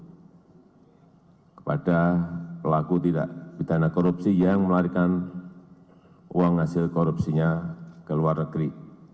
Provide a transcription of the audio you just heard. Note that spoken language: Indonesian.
kita tidak memberikan toleransi sedikitpun kepada pelaku tidak bidana korupsi yang melarikan uang hasil korupsinya ke luar negeri